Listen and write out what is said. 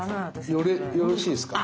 よろしいですか。